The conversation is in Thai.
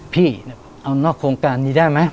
พี่เอานอกโครงการนี้ได้ไหม